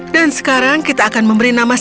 dan sekarang kita akan mencari susu hangat itu